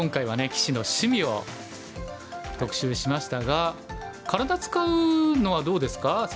棋士の趣味を特集しましたが体使うのはどうですか先生。